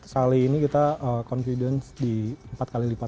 kali ini kita confidence di empat kali lipat